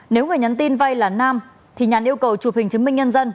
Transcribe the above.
nếu người nhắn tin vay là nam thì nhàn yêu cầu chụp hình chứng minh nhân dân